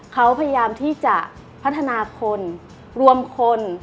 เขาพยายามที่จะพัฒนาคนรวมคน